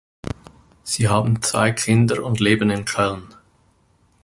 Sie haben zwei Kinder und leben in Köln.